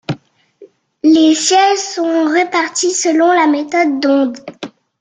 Les sièges sont répartis selon la méthode d'Hondt.